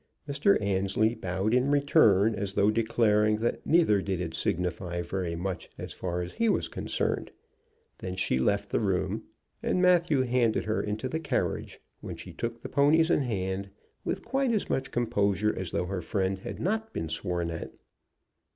Mr. Annesley bowed in return, as though declaring that neither did it signify very much as far as he was concerned. Then she left the room, and Matthew handed her into the carriage, when she took the ponies in hand with quite as much composure as though her friend had not been sworn at.